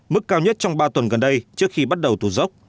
mức cao nhất trong ba tuần gần đây trước khi bắt đầu tù dốc